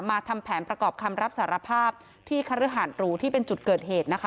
ทำแผนประกอบคำรับสารภาพที่คฤหารหรูที่เป็นจุดเกิดเหตุนะคะ